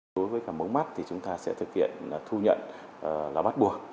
đối với cả mống mắt thì chúng ta sẽ thực hiện thu nhận là bắt buộc